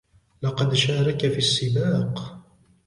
لقد شارك في السباق.